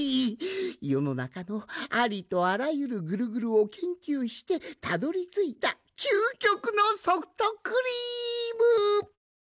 よのなかのありとあらゆるグルグルをけんきゅうしてたどりついたきゅうきょくのソフトクリーム！って。